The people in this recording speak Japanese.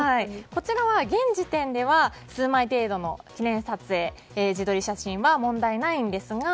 こちらは現時点では数枚程度の記念撮影自撮り写真は問題ないんですが。